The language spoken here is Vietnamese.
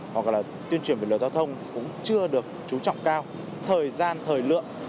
hoặc là tuyên truyền về luật giao thông cũng chưa được chú trọng cao thời gian thời lượng